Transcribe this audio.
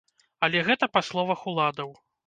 Але гэта па словах уладаў.